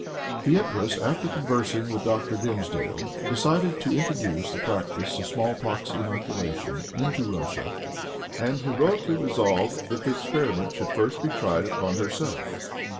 The empress after conversing with Dr. Dimsdale, decided to introduce the practice of small pox inoculation into Russia, and heroically resolved that the experiment should first be tried upon herself.